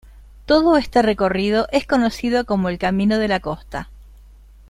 Todo este recorrido es conocido como el camino "de la costa".